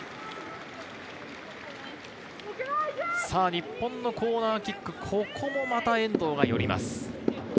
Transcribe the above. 日本のコーナーキック、ここもまた、遠藤が寄ります。